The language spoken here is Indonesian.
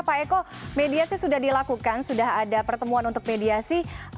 pak eko mediasi sudah dilakukan sudah ada pertemuan untuk mediasi